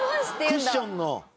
クッションの。